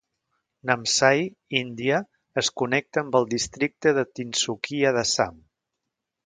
Namsai, Índia, es connecta amb el districte de Tinsukia d'Assam.